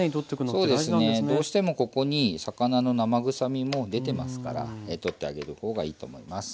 そうですねどうしてもここに魚の生臭みも出てますから取ってあげる方がいいと思います。